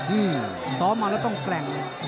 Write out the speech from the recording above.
อืมซ้อมมาแล้วต้องแกร่ง